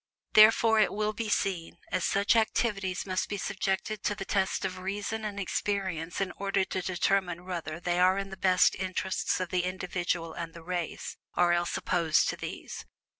Therefore, it will be seen, all such activities must be subjected to the test of reason and experience in order to determine whether they are in the best interests of the individual and the race, or else opposed to these.